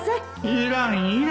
いらんいらん